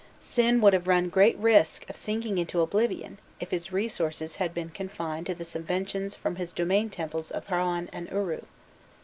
Sin would have run great risk of sinking into oblivion if his resources had been confined to the subventions from his domain temples of Harran and Uru.